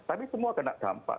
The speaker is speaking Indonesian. tapi semua kena dampak